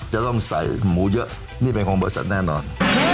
จะต้องใส่หมูเยอะนี่เป็นของบริษัทแน่นอน